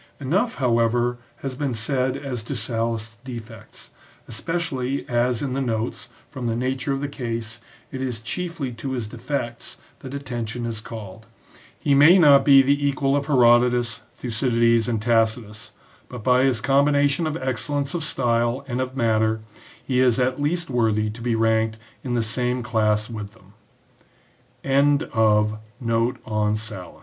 Enough, how ever, has been said as to Sallust's defects, especially as in the notes, from the nature of the case, it is chiefly to his defects that attention is called. He may not be the equal of Herodotus, Thucydides, and Tacitus, but by his combination of excellence of style and of matter, he is at least worthy to be r